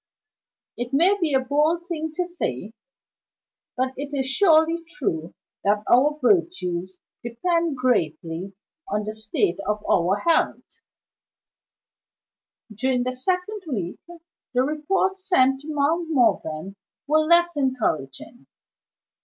It may be a bold thing to say, but it is surely true that our virtues depend greatly on the state of our health. During the second week, the reports sent to Mount Morven were less encouraging.